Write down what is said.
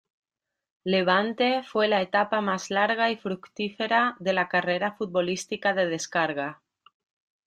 Levante fue la etapa más larga y fructífera de la carrera futbolística de Descarga.